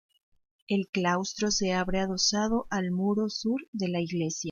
El claustro se abre adosado al muro sur de la iglesia.